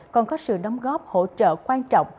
còn có sự đóng góp hỗ trợ quan trọng